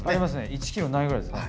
１ｋｇないぐらいですね。